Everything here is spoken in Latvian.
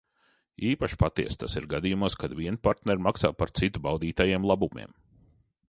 Īpaši patiesi tas ir gadījumos, kad vieni partneri maksā par citu baudītajiem labumiem.